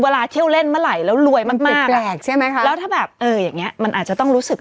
พ่อแม่เขาทำช่วยกิจนี้มั้ยอะไรอย่างเงี้ย